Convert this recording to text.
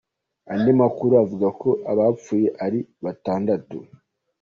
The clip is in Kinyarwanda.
Andi makuru avuga ko abapfuye ari batandatu.